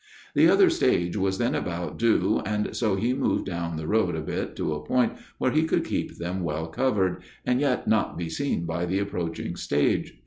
The other stage was then about due and so he moved down the road a bit to a point where he could keep them well "covered," and yet not be seen by the approaching stage.